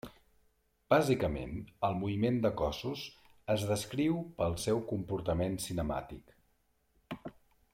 Bàsicament, el moviment de cossos es descriu pel seu comportament cinemàtic.